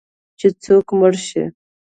چې څوک مړ شي